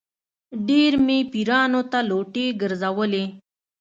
ډېر مې پیرانو ته لوټې ګرځولې.